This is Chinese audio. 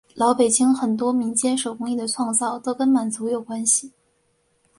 老北京很多民间手工艺的创造都跟满族有关。